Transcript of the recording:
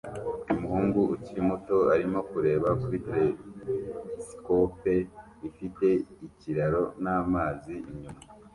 Umuhungu ukiri muto arimo kureba kuri telesikope ifite ikiraro n'amazi inyuma